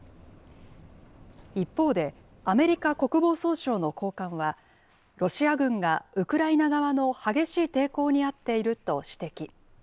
一方で、アメリカ国防総省の高官は、ロシア軍がウクライナ側の激しい抵抗にあっていると指摘。